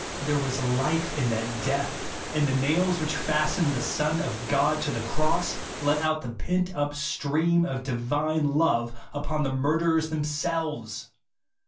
There was life in that death ; and the nails which fastened the Son of God to the cross, let out the pent up stream of divine love upon the murderers themselves